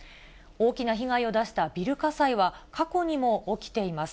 大きな被害を出したビル火災は、過去にも起きています。